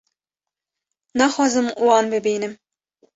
naxwazim wan bibînim